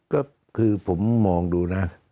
ก็คือผมมองดูนะ